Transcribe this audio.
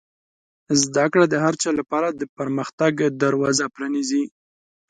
زده کړه د هر چا لپاره د پرمختګ دروازه پرانیزي.